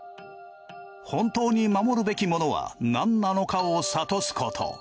本当に守るべきものは何なのかを諭すこと。